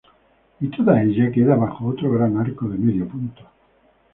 Y toda ella queda bajo otro gran arco de medio punto.